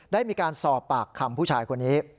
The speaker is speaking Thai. ได้มีการสอบปากคำผู้ชายคนนี้